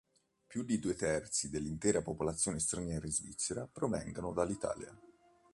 Più di due terzi dell’intera popolazione straniera in Svizzera provengono dall’Italia.